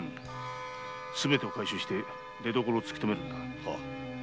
すべてを回収して出所を突きとめるのだ。